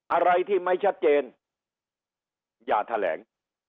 อะไรที่ไม่ชัดเจนอย่าแถลง